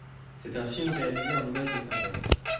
C'est un film réalisé en images de synthèse.